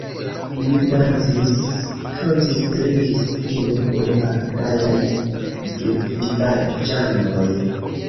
Ni dancis, kantis, drinkis kune kun la gajaj gevilaĝanoj.